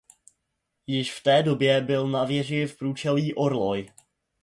Již v té době byl na věži v průčelí orloj.